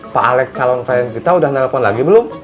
pak alec kalau mau bayangin kita udah nelfon lagi belum